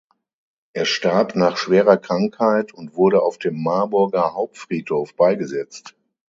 Er starb nach schwerer Krankheit und wurde auf dem Marburger Hauptfriedhof beigesetzt.